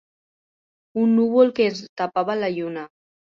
Un núvol que ens tapava la lluna.